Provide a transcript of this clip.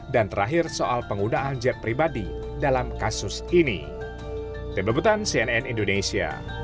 dan terakhir soal penggunaan jet pribadi dalam kasus ini